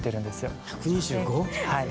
はい。